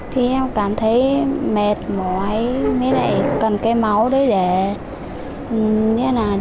thì em cảm thấy mệt mỏi mấy đại cần cái máu đấy để truyền máu